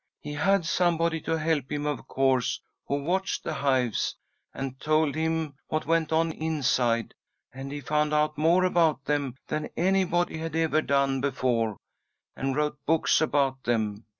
He had somebody to help him, of course, who watched the hives, and told him what went on inside, and he found out more about them than anybody had ever done before, and wrote books about them.